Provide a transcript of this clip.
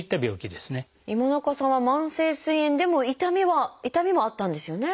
今中さんは慢性すい炎でも痛みもあったんですよね。